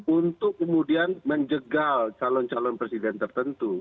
untuk kemudian menjegal calon calon presiden tertentu